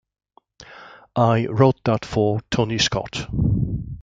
I wrote that for Tony Scott.